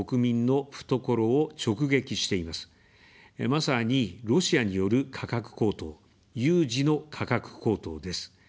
まさに、ロシアによる価格高騰、有事の価格高騰です。